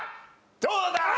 どうだ？